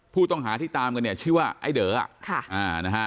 ผู้ต้องหาที่ตามกันชื่อว่าไอเดอะ